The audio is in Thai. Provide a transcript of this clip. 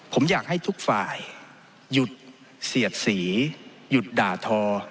ผมอยากให้ทุกฝ่ายหยุดเสียดสีหยุดด่าทอ